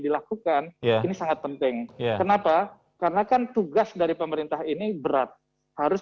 dilakukan ini sangat penting kenapa karena kan tugas dari pemerintah ini berat harus